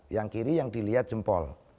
yang kiri yang dilihat jempol